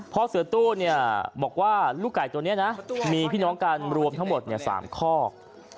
พ่อเสือตู้บอกว่าลูกไก่ตัวนี้นะมีพี่น้องกันรวมทั้งหมด๓คอก